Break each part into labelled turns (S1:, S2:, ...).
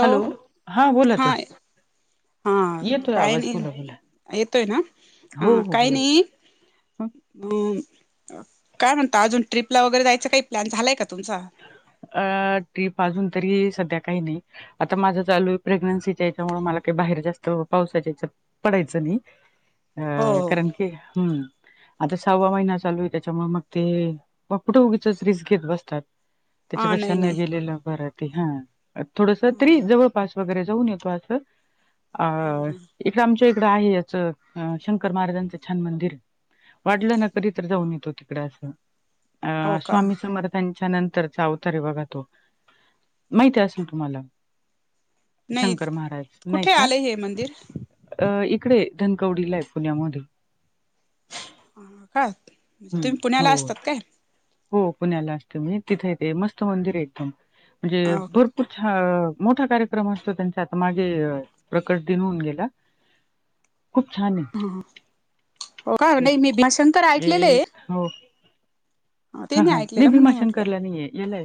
S1: Hello हा बोला ताई.
S2: हा
S1: येतोय
S2: काही
S1: आवाज बोला बोला
S2: नाही येतोय ना. हा
S1: हो हो
S2: काही
S1: बोला
S2: नाही
S1: बोला.
S2: अम काय म्हणता अजून ट्रिपला वगैरे जायचं काही प्लॅन झालाय का तुमचा?
S1: अह ट्रीप अजून तरी सध्या काही नाही. आता माझं चालू आहे प्रेग्न्सीच्या याच्यामुळे मला काही बाहेर जास्त पावसाच्या याच्यात पडायचं नाही
S2: हो
S1: अह
S2: हो
S1: कारण की हम्म आता सहावा महिना चालू आहे त्याच्यामुळे मग ते, मग कुठं उगीचच रिस्क घेत बसतात.
S2: हा
S1: त्याच्यापेक्षा
S2: नाही
S1: न
S2: नाही
S1: गेलेलं बर की हा, थोडस तरी जवळपास वगैरे जाऊन येतो अस अह इकडं आमच्या इकडं आहे याचं अह शंकर महाराजांचं छान मंदिर वाटलं ना तर इतर जाऊन येतो तिकड अस,
S2: हो
S1: अह
S2: का
S1: स्वामी समर्थांच्या नंत चा अवतार आहे बघा तो माहिती असेल तुम्हाला?
S2: नाही
S1: शंकर महाराज. नाही
S2: कुठे
S1: का?
S2: आले हे मंदिर
S1: अह इकडे धनकवडीला आहे पुण्यामध्ये.
S2: हा काय म्हणजे
S1: हं,
S2: तुम्ही पुण्याला
S1: हो.
S2: असतात काय?
S1: हो पुण्याला असते मी. तिथे ते मस्त मंदिर आहे एकदम म्हणजे
S2: हो
S1: भरपूर छा मोठा कार्यक्रम असतो त्यांच्या आता मागे प्रकट दिन होऊन गेला. खूप छान आहे.
S2: हा हा हो का
S1: हं.
S2: नाही मी भीमाशंकर ऐकलेले
S1: म्हणजे
S2: आहे.
S1: हो.
S2: ते
S1: हा हा नाही
S2: ऐकलेलं म्हणून म्हटलं
S1: भीमाशंकर ला नाहीये याला आहे,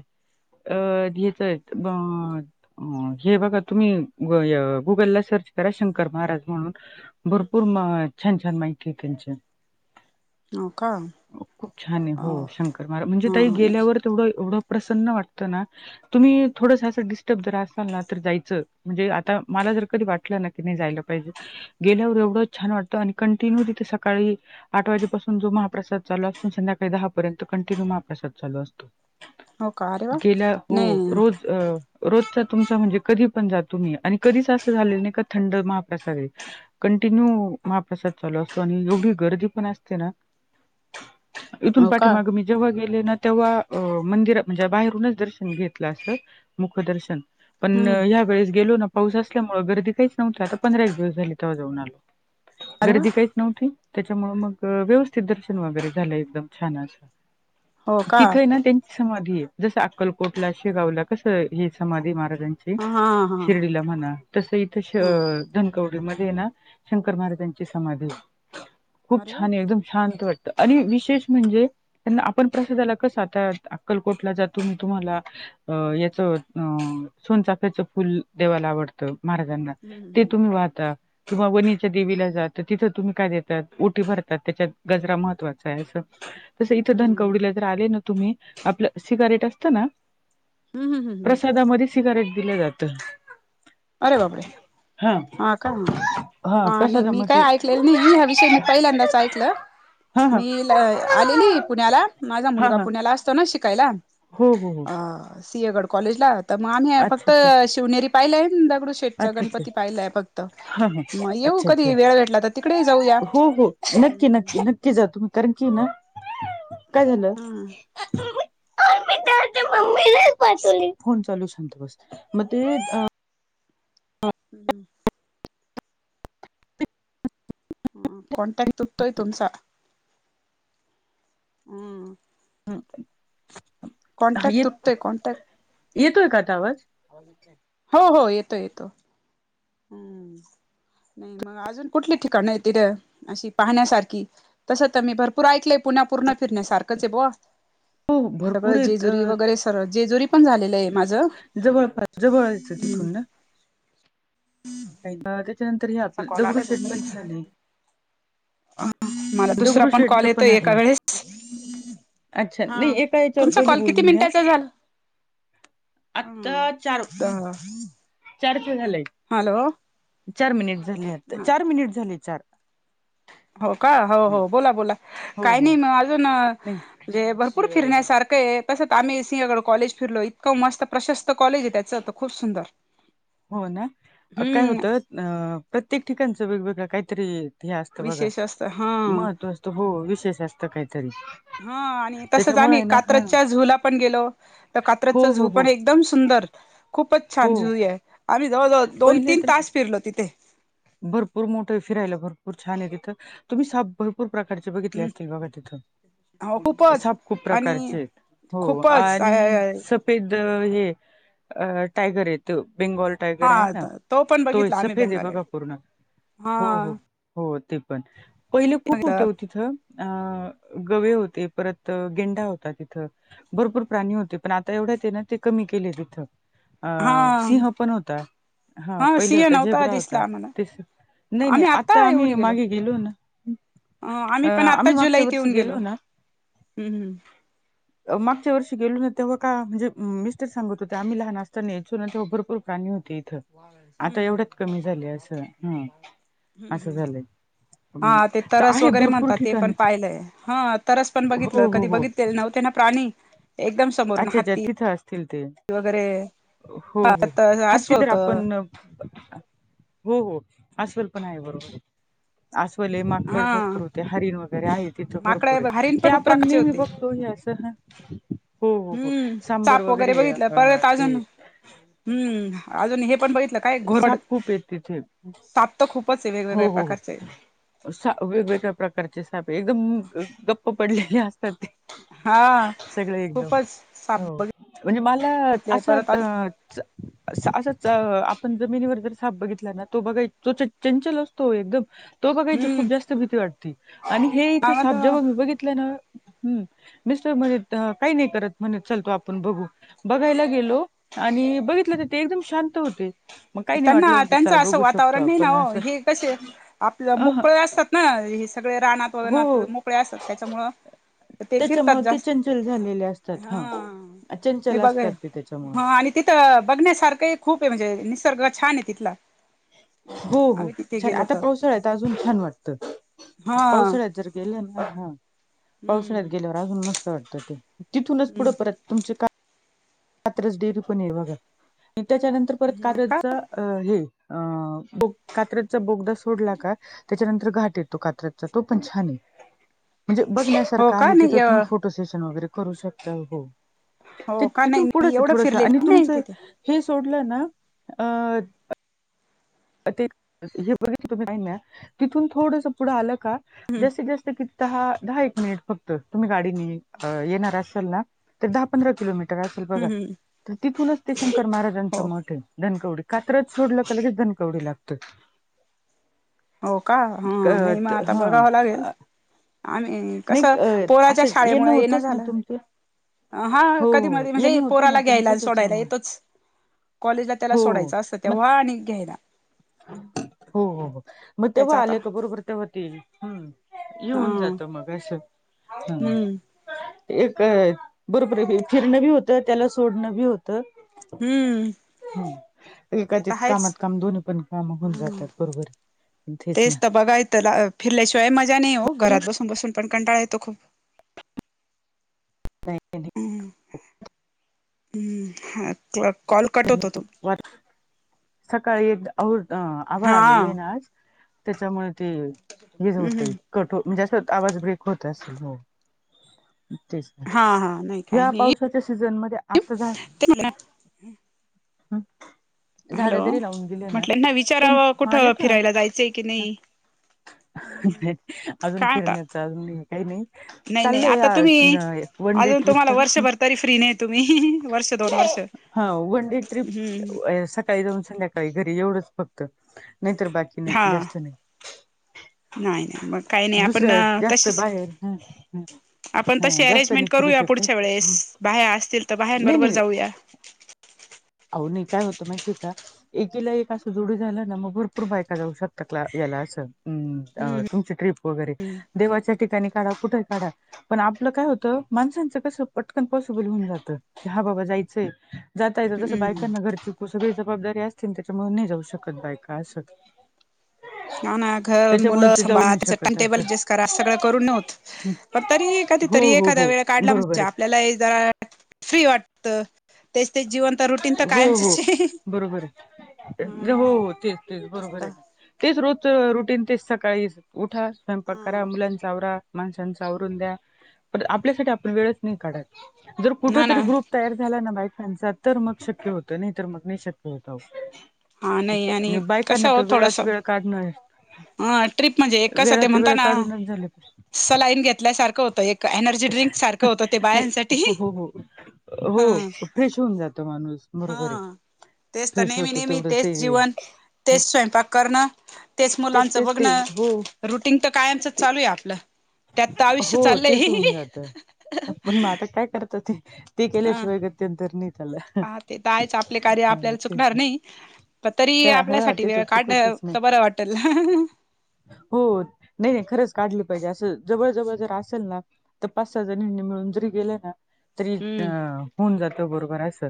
S1: अह ह्याच [unintelligible] अह हे बघा तुम्ही अह गुगलला सर्च करा शंकर महाराज म्हणून भरपूर म छान छान माहिती आहेत त्यांच्या
S2: हो का
S1: खूप छान आहे
S2: अह.
S1: [unintelligible] म्हणजे ताई गेल्यावर तेवढं एवढं प्रसन्न वाटतं ना तुम्ही थोडसं असं डिस्टर्ब जर असाल ना तर जायचं म्हणजे आता मला जर कधी वाटलं ना की नाय जायला पाहिजे. गेल्यावर एवढंच छान वाटतं आणि कंटिन्यू तिथे सकाळी आठ वाजेपासून जो महाप्रसाद चालू असतो आणि संध्याकाळी दहापर्यंत कंटिन्यू महाप्रसाद चालू असतो.
S2: हो का अरे वा
S1: गेल्या, हो
S2: नाही
S1: रोज अह रोजचा तुमचा म्हणजे कधी पण जा तुम्ही आणि कधीच असं झालेलं नाही का थंड महाप्रसाद आहे. कंटिन्यू महाप्रसाद चालू असतो आणि एवढी गर्दी पण असते ना इथून
S2: हो
S1: पा
S2: का
S1: मी जेव्हा गेले ना तेव्हा मंदिरात म्हणजे बाहेरूनच दर्शन घेतलं अस मुखदर्शन पण
S2: हम्म
S1: ह्या वेळेस गेलो ना पाऊस असल्यामुळे गर्दी काहीच नव्हती आता पंधरा एक दिवस झाले तेव्हा जाऊन आलो
S2: अरे वा
S1: गर्दी काहीच नव्हती त्याच्यामुळ मग व्यवस्थित दर्शन वगैरे झालं एकदम छान अस
S2: हो का
S1: तिथं आहे
S2: हा
S1: ना त्यांची समाधी आहे जसं अक्कलकोटला शेगावला कसं हे समाधी महाराजांची
S2: हा हा
S1: शिर्डीला म्हणा तस इथ
S2: हा
S1: धनकवडी मध्ये ना शंकर महाराजांची समाधी खूप
S2: अरे वा
S1: छान आहे एकदम शांत वाटत आणि विशेष म्हणजे आपण प्रसादाला कस आता अक्कलकोटला जातो तुम्हाला अ याचं अ सोनचाफ्याच फुल देवाला आवडतं महाराजांना ते
S2: हम्म
S1: तुम्ही वाहता किंवा वनीच्या देवीला जात तर तिथं तुम्ही काय देतात उटी भरतात त्याच्यात गजरा महत्वाचा आहे असं तस इथं
S2: हम्म
S1: धनकवडीला जर आले ना तुम्ही आपलं सीगारेट असत ना
S2: हम्म हम्म हम्म
S1: प्रसादामध्ये सिगारेट दिलं जातं
S2: अरे बापरे
S1: हा
S2: का हा हा नाही मी काय ऐकलेलं नाही हा विषय मी पहिल्यांदाच ऐकलं
S1: हा हा
S2: मी आलेली पुण्याला माझा
S1: हा
S2: मुलगा
S1: हा
S2: पुण्याला असतो ना शिकायला
S1: हो हो हो
S2: अ सिंहगड कॉलेजला तर मग आम्ही फक्त
S1: अच्छा
S2: शिवनेरी पाहिले आणि दगडूशेठ
S1: अच्छा अच्छा अच्छा
S2: गणपती पाहिलाय फक्त
S1: हा हा
S2: मग येऊ
S1: अच्छा
S2: कधी
S1: अच्छा
S2: वेळ भेटला तर तिकडेही जाऊया
S1: हो हो नक्की नक्की नक्की जा तुम्ही कारण की आहे ना काय झालं
S2: हा
S1: फोन चालू आहे शांत बस म ते
S2: हम्म हू कॉंटॅक्ट तूटतोय तुमचा हू
S1: हू
S2: कॉन्टॅक्ट तुटतोय कॉन्टॅक्ट
S1: येतोय का आता आवाज
S2: हो हो येतो येतो हू नाही मग अजून कुठली ठिकाणं हायत तिथ अशी पाहण्यासारखी तसं तर मी भर पुर ऐकलंय पूणा पूर्ण फिरण्या सारखंच आहे बुवा
S1: हो
S2: सगळं
S1: भरपूर येत अ,
S2: जेजुरी वगैरे तर जेजुरी पण झालेलं आहे माझं
S1: जवळपास जवळचं आहे
S2: हम्म
S1: तिथून ना का त्याच्यानंतर हे
S2: कोणाचा
S1: आपलं दगडूशेट पण छान आहे
S2: अ मला दुसरा पण कॉल
S1: दगडूशेठचं
S2: येतोय एका
S1: आहे.
S2: वेळेस
S1: अच्छा
S2: हा
S1: नाही एका याच्यावर
S2: तुमचा
S1: पहिले
S2: कॉल किती
S1: बोलून घ्या
S2: मिनिटाचा झाला
S1: आता चार
S2: हा
S1: चारचे झालंय
S2: हॅलो
S1: चार मिनिट झाले आता चार मिनिट झाले चार
S2: हो का हो हो बोला बोला काही नाही म अजून
S1: थँक्यू
S2: म्हणे भरपूर फिरण्यासारखं आहे तसंच आम्ही सिंहगड कॉलेज फिरलो इतकं मस्त प्रशस्त कॉलेज आहे त्याच. खूप सुंदर.
S1: हो ना काय
S2: हम्म
S1: होतं अ प्रत्येक ठिकाणचं वेगवेगळं काहीतरी. हे असत बघा
S2: विशेष असतं हा
S1: महत्व असतं हो विशेष असत काहीतरी
S2: हा आणि तसच
S1: त्याच्यामुळे
S2: आ्ही
S1: आहे ना हा
S2: कात्रच्या झूला पण गेलो तर कात्रचा
S1: हो हो
S2: झू
S1: हो
S2: पण एकदम सुंदर खूपच छान
S1: हो
S2: जु आहे आम्ही जवळजवळ दोन
S1: पहिले
S2: तीन
S1: तर
S2: तास फिरलो तिथे.
S1: भरपूर मोठं फिरायला भरपूर छान आहे तिथं तुम्ही सा भरपूर प्रकारचे बघितले असतील बघा तिथ.
S2: हो खूपच
S1: साप खूप
S2: आणि
S1: प्रकारचे हो
S2: खूपच
S1: आणि े हे टायगर आहेत बेंगाल टायगर आहेय
S2: हा
S1: ना
S2: तो पण
S1: त
S2: बघितला आम्ही
S1: सफेदे
S2: बेंगाली
S1: बघा
S2: हा
S1: हो ते पण पहिले खूप होते तिथं अ गवे होते परत गेंडा होता तिथं भरपूर प्राणी होते पण आता एवढ्या ते ना ते कमी केले तिथं अ
S2: हा
S1: सिंह पण होता हा पहिले
S2: सिंह
S1: होता
S2: नव्हता
S1: झेबराा
S2: दिसला
S1: होता
S2: आम्हाला
S1: ते नाही नाही आता आम्ही मागे गेलो ना
S2: पण
S1: अं
S2: आता
S1: आम्ही मागच्या
S2: जुलैत
S1: वर्षी
S2: येऊन
S1: गेलो ना.
S2: हम्म
S1: मागच्या वर्षी गेलो ना तेव्हा का म्हणजे मिस्टर सांगत होते आम्ही लहान असताना यायचल ना तेव्हा भरपूर प्राणी होते. आता
S2: हम्म
S1: एवढ्यात कमी झाले असं ह
S2: हम्म
S1: असं
S2: हम्म
S1: झालंय.
S2: हा
S1: हं.
S2: ते
S1: च-
S2: तरस
S1: आहे
S2: वगैरे
S1: भरपूर
S2: म्हणतात ते पण
S1: ठिकाणं
S2: पाहिलंय हा तरस पण
S1: हो,
S2: बघितलं
S1: हो,
S2: कधी
S1: हो.
S2: बघित नव त्यांना प्राणी एकदम समोरून
S1: अच्छा, अच्छा
S2: हातती
S1: [unintelligible]
S2: वगैरे
S1: हो,
S2: हा
S1: हो. हत्ती
S2: असवं
S1: तर
S2: होत
S1: [unintelligible] हो हो अस्वल पण आहे बरोबर अस्वल आहे माकड
S2: हा
S1: भरपूर होते हरीण वगैरे आहे तिथं भरपूर
S2: माकड हरीण
S1: आहेत ते
S2: पण खूप
S1: आपण
S2: प्रकारचे
S1: नेहमी
S2: होते
S1: बघतो तो अस ह हो हो हो
S2: हम्म
S1: सांबर
S2: चाप
S1: वगैरे
S2: बघितलं परत
S1: ते
S2: अजून हम्म अजून हे पण बघितलं काय घोरडत
S1: साप खूप आहेत तिथं
S2: साप तर खूपच आहे वेगवेगळ्या
S1: हो.
S2: प्रकारचे आहे
S1: सा वेगवेगळ्या प्रकारचे सापे एकदम गप्प पडलेले असतात ते
S2: हा
S1: सगळं एकदम
S2: खूपच
S1: हो
S2: साप
S1: म्हणजे मला
S2: बघितले
S1: असं
S2: परत
S1: अ असंच आपण जमिनीवर जर साप बघित तो बघा तो चंल असतो एकदम तो बघायची खूप
S2: हम्म
S1: जास्त भीती वाटते आणि हे इथं साप जब मी बघितलं ना हम् मिस्टर म्हण काही नाही करत म्हणत चालतो आपण बघू बघायला गेलो आणि बघितलं तर ते एकदम शांत होते मग काही नाही वाटलं म्हणत
S2: अस वातावरण नाही ना क आप
S1: अ
S2: मोकळे असतात ना सगळे रान
S1: हो
S2: क असत त्याच्यामुळं ते फिरतात
S1: त्याच्यामुळे ते
S2: जास्त,
S1: चंचल झालेले असतात
S2: हा मी
S1: चंचल
S2: बघेल
S1: असतात ते
S2: हा
S1: त्याच्यामुळे
S2: आणि तिथं बघण्यासारखं खूप आहे म्हणजे निसर्ग छान आहे तिथला.
S1: हो हो
S2: आम्ही तिथे
S1: छान
S2: गेलो
S1: आता
S2: तर
S1: पावसाळ्यात अजून छान
S2: हा
S1: वाटतं पावसाळ्यात जर गेलं ना हा पावसाळ्यात
S2: हम्म
S1: गेल्यावर अजून मस्त वाटत ते तिथूनच पुढे परत तुमचे का कात्रज डेरी पण आहे बघा आणि त्याच्यानंतर परत
S2: हम्म का
S1: कात्रजचा हे कात्रचा बोगदा सोडला का त्याच्यानंतर घाट येतो कात्रजचा तो पण छान आहे
S2: [unintelligible]
S1: म्हणजे
S2: हो
S1: बघण्यासारखं
S2: का
S1: आहे
S2: नाही
S1: तिथं तुम्ही फोटो सेशन वगैरे करू शकता हो.
S2: हो
S1: ते
S2: का नाही
S1: तिथून
S2: मी
S1: पुढंच आहे
S2: एवढं
S1: थोडस आणि
S2: फिरलेली नाहीय
S1: तुमचं
S2: तिथे
S1: हे सोडलं ना अ ते हे बघ तुम्ही तिथून थोडस पुढं आलं का जास्तीत जास्त किती दहा दहा एक मिनिट फक्त तुम्ही गाडीनी येणार असाल न त दहा पंधरा किलोमीटर असेल बघा
S2: हम्म हम्म
S1: तिथूनच ते शंकर महाराजांचा
S2: हो
S1: मठ आहे धनकवडी कात्रज सोडलं का लगेच धनकवडी लागत.
S2: हो का
S1: का
S2: हा नाही मग
S1: त
S2: आता
S1: हा
S2: बघावं लागेल आम्ही कसं
S1: नाही
S2: पोराच्या
S1: असंच येणं
S2: शाळेमुळे
S1: होतच न
S2: झालं
S1: तुमचं?
S2: हा
S1: हो
S2: कधी
S1: हो
S2: मधी
S1: येणं
S2: म्हणजे
S1: होतं ना
S2: पोराला घ्यायला
S1: तुमचं
S2: अन सोडायला
S1: त्याच्यामुळे
S2: येतोच. कॉलेजला त्याला
S1: हो हो.
S2: सोडायच असतं
S1: मग
S2: तेव्हा आणि घ्यायला.
S1: हो हो हो मग
S2: त्याचा
S1: तेव्हा
S2: आता
S1: आले क
S2: हा
S1: बरोबर ते येऊन जातं मग असं हम्म एक
S2: नाही
S1: बरोबर फिरणं बी होतं त्याला सोडणं बी होत होत
S2: हम्म
S1: हम्म
S2: ते
S1: एकात
S2: तर
S1: एक कामात
S2: आहेच.
S1: काम दोन्ही पण काम होऊन जातात बरोबर तेच न.
S2: बघितला फिरल्याशिवाय मजा नाही हो घरात बसून बसून पण कंटाळा यतो खूप.
S1: नाही
S2: हम्म हम्म कॉल कट होतो तो
S1: सकाळी एक आव आभाळ
S2: हा
S1: आलेलं आहे न आज. त्याच्यामुळे ते हेच
S2: हम्म
S1: होतंय.
S2: हम्म.
S1: कट हो म्हणजे अस आवाज ब्रेक होत असेल हो तेच न
S2: हा हा नाही काही
S1: या
S2: नाही
S1: पावसाच्या सीझनमध्ये आता जाय झाड
S2: हॅलो.
S1: जरी लावून दिले न
S2: म्हटलं ना
S1: कोण
S2: विचारावं
S1: हा
S2: कुठं
S1: येतोय
S2: फिरायला जायचंय की नाही
S1: न अजून
S2: काय आता
S1: फिरण्याचा अजून काही नाही.
S2: नाही नाही आता तुम्ही
S1: चाललंय वन डे
S2: अजून तुम्हाला
S1: ट्रिप कडे
S2: वर्षभर तरी फ्री नाही तुम्ही वर्ष दोन वर्ष हम्म हम्म
S1: का सकाळी जाऊन संध्याकाळी घरी एवढच फक्त नाहीर बाकी
S2: हा
S1: नाही जास्त नाही
S2: नाही नाही मग काही नाही
S1: दुसऱ्या
S2: आपण
S1: वेळेस जास्त
S2: तशीच
S1: बाहेर
S2: आपण
S1: हा
S2: तशी
S1: जास्त नाही
S2: अरेंजमेंट
S1: फिरू
S2: करूया पुढच्या
S1: शकत
S2: वेळेस बाह्या असतील तर
S1: नाही
S2: बाह्यांबरोबर
S1: नाही
S2: जाऊया
S1: अहो नाही काय होतं माहिती का? एकीला एक असं जोडी झालं ना मग भरपूर बायका जाऊ शकतात क याला असं. हम्म तुमची ट्रीप वगैरे देवाच्या ठिकाणी काढा कुठे काढा पण आपलं काय होतं माणसांचं कसं पटकन पॉसिबल होऊन जातं. की हा बाबा जायचंय जाता येतं
S2: हम्म
S1: बायकांना घरची सगळी जबाबदारी असतील त्याच्यामुळे नाही जाऊ शकत बायका अस
S2: हा ना घर मुलं
S1: ते जाऊ
S2: संभाळा
S1: नाही
S2: त्याच टाइम
S1: शकत
S2: टेबल
S1: असं
S2: अड्जस्ट करा सगळं करून नाही होते.
S1: हं.
S2: पण तरी कधी
S1: हो
S2: तरी
S1: हो
S2: एखाद्या
S1: हो
S2: वेळ काढला
S1: बरोबर
S2: म्हणजे
S1: आहे
S2: आपल्याला जरा फ्री वाटत तर तेच ते जीवन तर रुटीन तर
S1: हो हो
S2: कायमचच आहे.
S1: बरोबर आहे. हो हो, तेच तेच बरोबर आहे. तेच, रोजच रुटीन तेच सकाळी उठा, स्वयंपाक
S2: हा
S1: करा, मुलांचा आवरा माणसांचा आवरून द्या, पण आपल्यासाठी आपण वेळच नाही काढत, जर कुठ
S2: ना
S1: तरी
S2: ना
S1: ग्रुप तयार झाला न बायकांचा, तर मग शक्य होत, नाही तर मंग नाही शक्य
S2: हा नाही
S1: होत आणि बायकांना तर वेळात वेळ काढण
S2: अं ट्रीप म्हणजे एक कसं ते म्हणता ना,
S1: काढूनच झालं
S2: सलाईन घेतल्यासारखं होतं एक. एनर्जी ड्रिंक सारखं होतं ते
S1: नाही,
S2: बायांसाठी
S1: हो हो हो
S2: ह
S1: हो. फ्रेश होऊन जात माणूस, बरोबर आहे.
S2: हा तेच तर
S1: फ्रेश
S2: नेहमी
S1: होत
S2: नेहमी
S1: तेवढ
S2: तेच जीवन, तेच स्वयंपाक करणं, तेच मुलांचं
S1: तेच तेच
S2: बघणं
S1: हो
S2: रुटीन तर कायमचं
S1: ते
S2: चालू आहे आपलं. त्यात तर आयुष्य
S1: हो तेच
S2: चाललंय
S1: होऊन जात पण मग, आता काय करतात ते, ते
S2: ह
S1: केल्याशिवाय [unintelligible]
S2: हा, ते तर आहेच. आपले कार्य आपल्याला
S1: ह तेच
S2: चुकणार नाही, पण तरी
S1: काय ह
S2: आपल्यासाठी
S1: तेच
S2: वेळ काढ
S1: चुकतच
S2: त
S1: नाही
S2: बरं वाटेल.
S1: हो, नाही नाही, खरंच. काढलं पाहिजे असं जवळ जवळ जर असल ना, त पाच, सहा जणींनी मिळून जरी गेला ना, तरी अ होऊन जातो बरोबर असं.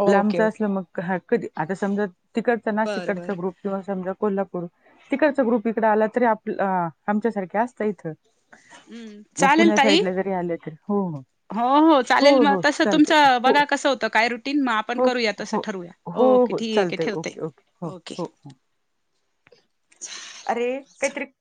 S2: ओके
S1: लांबचं
S2: ओके
S1: असलं मग ह कधी, आता समजा तिकडचं ना, नाशिक
S2: बरं बरं
S1: कडचा ग्रुप किंवा समजा कोल्हापूर तिकडचा ग्रुप इकडे आला, तरी आप आमच्या सारखे असता इथं.
S2: हम्म
S1: मग
S2: चालेल
S1: पुण्या
S2: ताई
S1: साईडला जरी आले तरी
S2: हो हो, चालेल मग.
S1: हो
S2: तसं
S1: चालत
S2: तुमचं
S1: हो
S2: बघा कसं होतं काय रुटीन? मग आपण
S1: हो
S2: करूया, तसं
S1: हो
S2: ठरूया
S1: हो
S2: ओके,
S1: हो
S2: ठीक आहे.
S1: चालतंय
S2: ठेवते,
S1: ओके ओके हो
S2: ओके.
S1: हो हो. अरे, काय तरी